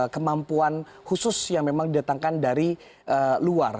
kemampuan khusus yang memang didatangkan dari luar